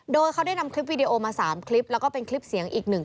โดยเขาได้นำคลิปวีดีโอมา๓คลิปแล้วก็เป็นคลิปเสียงอีกหนึ่ง